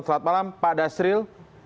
selamat malam pak dasril